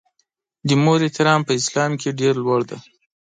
د مور احترام په اسلام کې ډېر لوړ دی.